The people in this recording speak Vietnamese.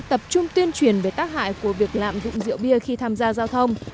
tập trung tuyên truyền về tác hại của việc lạm dụng rượu bia khi tham gia giao thông